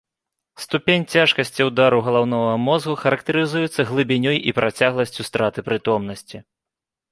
Ступень цяжкасці ўдару галаўнога мозга характарызуецца глыбінёй і працягласцю страты прытомнасці.